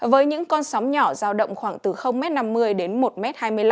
với những con sóng nhỏ giao động khoảng từ năm mươi m đến một hai mươi năm m